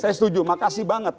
saya setuju makasih banget